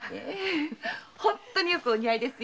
本当によくお似合いですよ。